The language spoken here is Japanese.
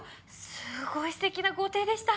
すごい素敵な豪邸でした。